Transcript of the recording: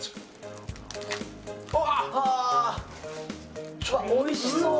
うわ、おいしそう！